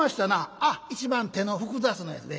「ああ一番手の複雑なやつで。